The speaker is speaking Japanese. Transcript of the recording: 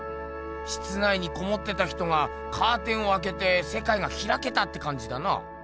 室内にこもってた人がカーテンをあけてせかいがひらけたってかんじだな。